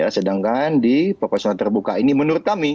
sedangkan di proporsional terbuka ini menurut kami